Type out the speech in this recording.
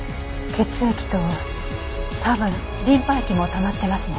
血液と多分リンパ液もたまってますね。